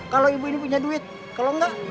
kalau ibu ini punya duit kalau enggak